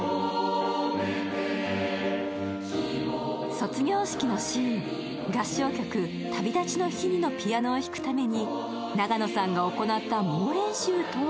卒業式のシーン、合唱曲「旅立ちの日に」のピアノを弾くために永野さんが行った猛練習とは？